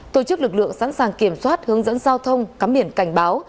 tổ chức lực lượng sẵn sàng kiểm soát hướng dẫn giao thông cắm biển cảnh báo